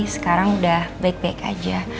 sekarang udah baik baik aja